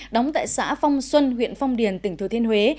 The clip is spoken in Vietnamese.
đóng tại xã phong xuân huyện phong điền tỉnh thừa thiên huế